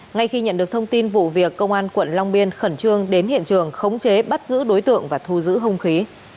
ngay khi nhận được thông tin vụ việc công an quận long biên khẩn trương đến hiện trường khống chế bắt giữ đối tượng và thu giữ hùng khí